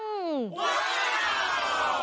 ว้าว